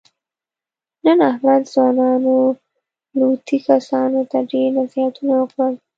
نن احمد ځوانو لوطي کسانو ته ډېر نصیحتونه وکړل.